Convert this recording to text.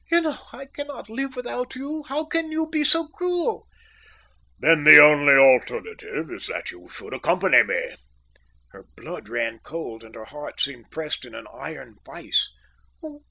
"You know I cannot live without you. How can you be so cruel?" "Then the only alternative is that you should accompany me." Her blood ran cold, and her heart seemed pressed in an iron vice.